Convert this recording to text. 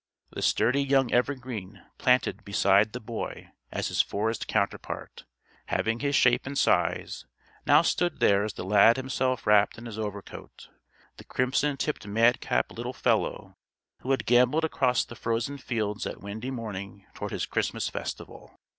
The sturdy young evergreen planted beside the boy as his forest counterpart, having his shape and size, now stood there as the lad himself wrapped in his overcoat the crimson tipped madcap little fellow who had gambolled across the frozen fields that windy morning toward his Christmas Festival.